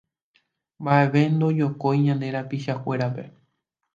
Mbaʼeve ndojokói ñande rapichakuérape.